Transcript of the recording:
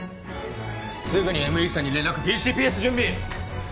すぐにＭＥさんに連絡ＰＣＰＳ準備！